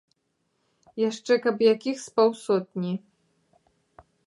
Яшчэ каб якіх з паўсотні.